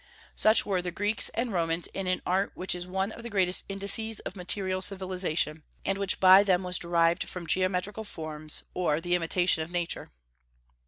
Such were the Greeks and Romans in an art which is one of the greatest indices of material civilization, and which by them was derived from geometrical forms, or the imitation of Nature.